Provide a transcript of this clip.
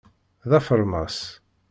D afermas.